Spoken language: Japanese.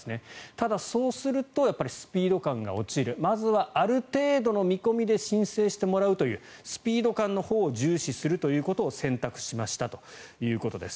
ただ、そうするとやっぱりスピード感が落ちるまずは、ある程度の見込みで申請してもらうというスピード感のほうを重視するということを選択しましたということです。